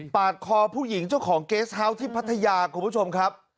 คอผู้หญิงเจ้าของเกสเฮาส์ที่พัทยาคุณผู้ชมครับ